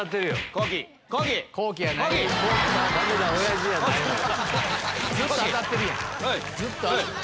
ずっと当たってるやん。